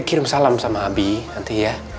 kirim salam sama abi nanti ya